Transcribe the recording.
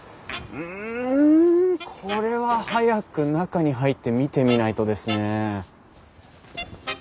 うんこれは早く中に入って見てみないとですね。